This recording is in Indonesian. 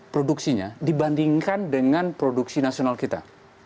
produksinya dibandingkan dengan produksi nasional kita